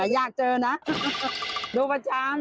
อยากเจอนะดูประจำ